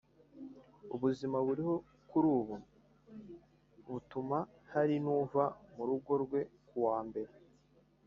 ubuzima buriho kuri ubu butuma hari n’uva mu rugo rwe kuwa Mbere